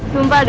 aku mau pacar